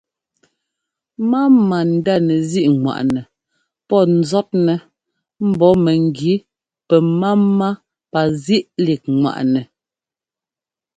Máma ndá nɛzíꞌŋwaꞌnɛ pɔ́ ńzɔ́tnɛ mbɔ̌ mɛgí pɛ́máma pazíꞌlíkŋwaꞌnɛ.